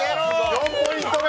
４ポイント目！